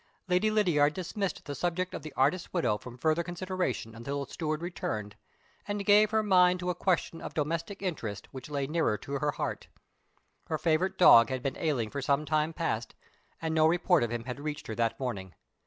Lady Lydiard dismissed the subject of the artist's widow from further consideration until the steward returned, and gave her mind to a question of domestic interest which lay nearer to her heart. Her favorite dog had been ailing for some time past, and no report of him had reached her that morning.